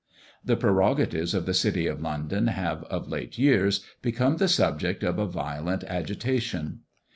The prerogatives of the city of London have, of late years, become the subject of a violent agitation.